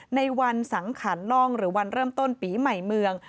ในวันสังขารล่องหรือวันเริ่มต้นปีใหม่เมือง